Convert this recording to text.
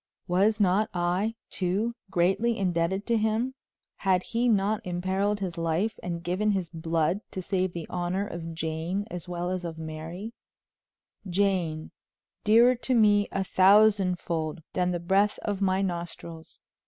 Was not I, too, greatly indebted to him? Had he not imperiled his life and given his blood to save the honor of Jane as well as of Mary Jane, dearer to me a thousand fold than the breath of my nostrils?